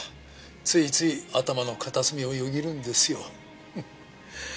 ついつい頭の片隅をよぎるんですよ。